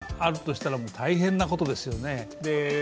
そういう戦略があるとしたら大変なことですよね。